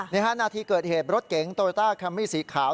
นาทีเกิดเหตุรถเก๋งโตโยต้าแคมมี่สีขาว